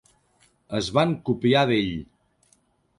Es van copiar d'ell.